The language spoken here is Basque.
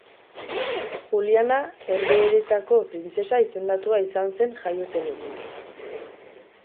Juliana Herbehereetako printzesa izendatua izan zen jaio zenetik.